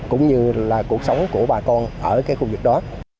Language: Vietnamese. cũng như là cuộc sống của bà con ở cái khu vực đó